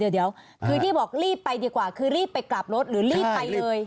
เดี๋ยวคือที่บอกรีบไปดีกว่าคือรีบไปกลับรถหรือรีบไปเลย